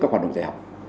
các hoạt động dạy học